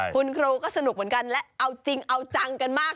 คุณครูก็สนุกเหมือนกันและเอาจริงเอาจังกันมาก